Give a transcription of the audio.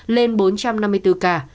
lên bốn trăm năm mươi bốn ca